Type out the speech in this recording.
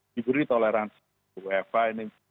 diberi toleransi wfa ini